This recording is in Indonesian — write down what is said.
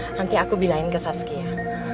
nanti aku bilangin ke sazkia